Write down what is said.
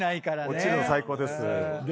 落ちるの最高です。